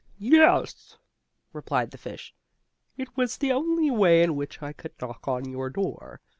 "Yes," replied the fish, "it was the only way in which I could knock on your door.